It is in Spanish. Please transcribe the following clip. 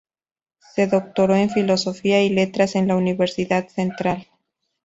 Se doctoró en Filosofía y Letras en la Universidad central.